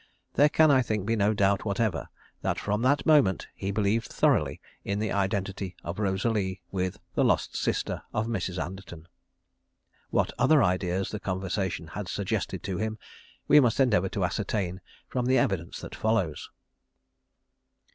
There can, I think, be no doubt whatever that from that moment he believed thoroughly in the identity of Rosalie with the lost sister of Mrs. Anderton. What other ideas the conversation had suggested to him we must endeavour to ascertain from the evidence that follows.